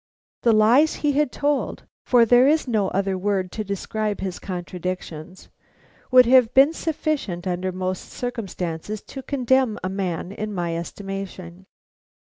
The lies he had told for there is no other word to describe his contradictions would have been sufficient under most circumstances to condemn a man in my estimation.